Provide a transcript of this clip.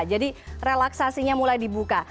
jadi relaksasinya mulai dibuka